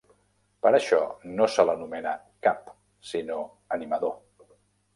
Per això no se l’anomena Cap, sinó Animador.